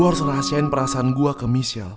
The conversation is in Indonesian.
teruskan perasaan gua ke michelle